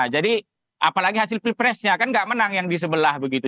jadi apalagi hasil pilpresnya kan nggak menang yang di sebelah begitu